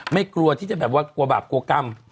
กลัวที่จะแบบว่ากลัวบาปกลัวกรรม